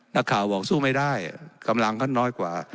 นักข่าวบอกสู้ไม่ได้กำลังก็น้อยกว่า